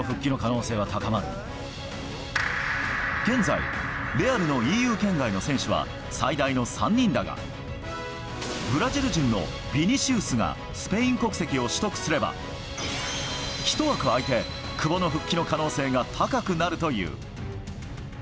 現在、レアルのＥＵ圏外の選手は最大の３人だがブラジル人のビニシウスがスペイン国籍を取得すれば１枠空いて、久保の復帰の可能性が高くなるという。